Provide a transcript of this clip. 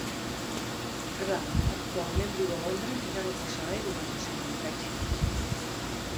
Casada, actualment viu a Londres i ja no posseeix la nacionalitat xinesa.